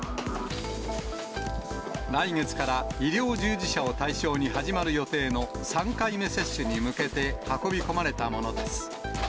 来月から医療従事者を対象に始まる予定の３回目接種に向けて、運び込まれたものです。